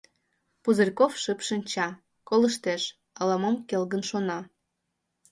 Пузырьков шып шинча, колыштеш, ала-мом келгын шона.